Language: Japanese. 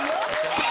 えっ？